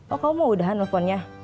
oh kamu mau udahan nelfonnya